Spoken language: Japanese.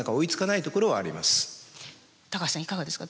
橋さんいかがですか？